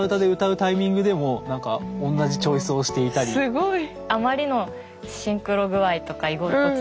すごい！